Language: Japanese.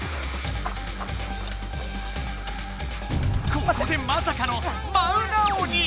ここでまさかのマウナ鬼。